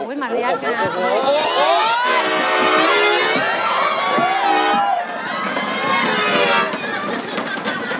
โอ้ยมาเรียกนะ